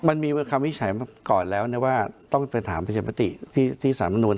มันมีความวิชัยเมื่อก่อนแล้วเนี้ยว่าต้องเป็นถามพิจัยปฏิที่ที่สารมนุน